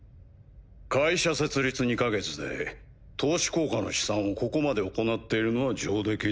会社設立２か月で投資効果の試算をここまで行っているのは上出来だ。